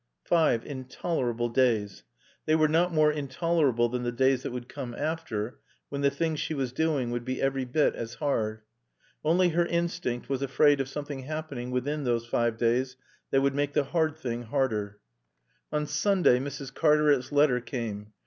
Five intolerable days. They were not more intolerable than the days that would come after, when the thing she was doing would be every bit as hard. Only her instinct was afraid of something happening within those five days that would make the hard thing harder. On Sunday Mrs. Cartaret's letter came.